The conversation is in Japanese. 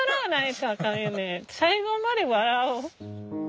最後まで笑う。